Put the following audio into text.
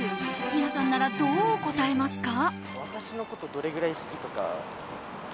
皆さんなら、どう答えますか？